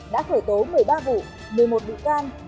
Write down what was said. đã khởi tố một mươi ba vụ một mươi một bị can